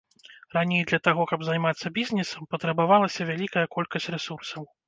Раней для таго, каб займацца бізнесам, патрабавалася вялікая колькасць рэсурсаў.